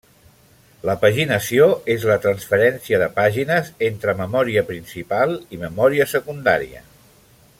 La paginació és la transferència de pàgines entre memòria principal i memòria secundària.